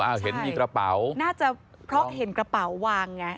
เห็นมีกระเป๋าน่าจะเพราะเห็นกระเป๋าวางไง